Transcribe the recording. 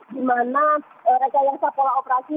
di mana rekayasa pola operasi